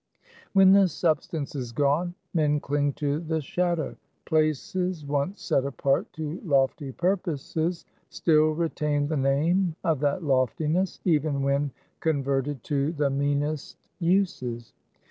When the substance is gone, men cling to the shadow. Places once set apart to lofty purposes, still retain the name of that loftiness, even when converted to the meanest uses.